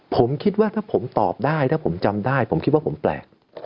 ผมคิดว่าถ้าผมตอบได้ถ้าผมจำได้ผมคิดว่าผมแปลก